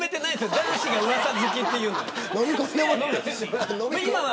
男子がうわさ好きっていうのは。